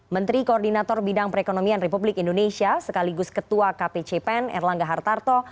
menteri koordinator bidang perekonomian republik indonesia sekaligus ketua kpcpen erlangga hartarto